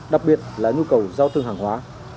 đặc biệt là nhu cầu giao thương hàng hóa